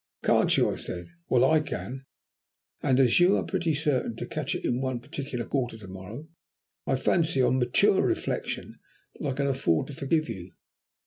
"Can't you?" I said. "Well, I can, and as you are pretty certain to catch it in one particular quarter to morrow, I fancy, on mature reflection, that I can afford to forgive you.